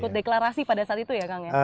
ikut deklarasi pada saat itu ya kang ya